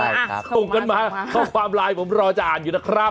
ส่งกันมาข้อความไลน์ผมรอจะอ่านอยู่นะครับ